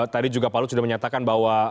tadi juga pak lut sudah menyatakan bahwa